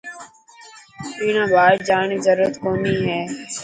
حنا ٻاهر جاڻ ري ضرورت ڪونهي هي.